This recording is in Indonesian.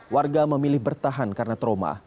warga memilih bertahan karena trauma